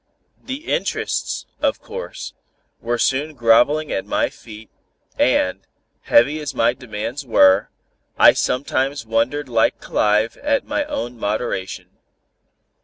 The interests, of course, were soon groveling at my feet, and, heavy as my demands were, I sometimes wondered like Clive at my own moderation.